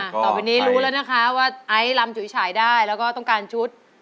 ต่อไปนี้รู้แล้วนะคะว่าไอซ์ลำจุ๋ยฉายได้แล้วก็ต้องการชุด